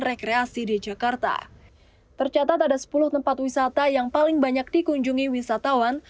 rekreasi di jakarta tercatat ada sepuluh tempat wisata yang paling banyak dikunjungi wisatawan